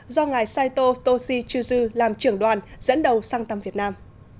do ngài saito toshizu làm trưởng đoàn dẫn đầu sang thăm việt nam